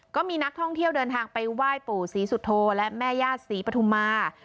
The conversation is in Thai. ก็มีนักท่องเที่ยวเดินทางไปไหว้ปู่ศรีสุโธและแม่ญาติศรีปฐุมา